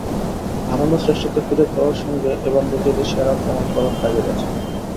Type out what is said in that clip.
হারানো শ্রেষ্ঠত্ব ফিরে পাওয়ার সঙ্গে এবার নিজেদের সেরা প্রমাণ করার তাগিদ আছে।